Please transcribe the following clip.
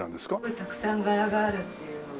たくさん柄があるっていうのが。